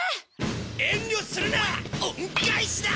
遠慮するな恩返しだ。